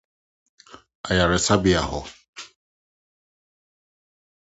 Ayaresabea Hɔ